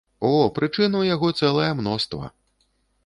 О, прычын у яго цэлае мноства.